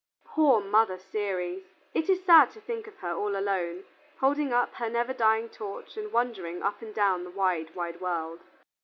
Poor Mother Ceres! It is sad to think of her all alone, holding up her never dying torch and wandering up and down the wide, wide world.